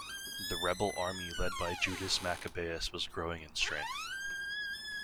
The rebel army led by Judas Maccabeus was growing in strength.